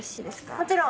もちろん。